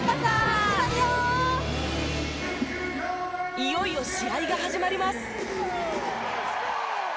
いよいよ試合が始まります！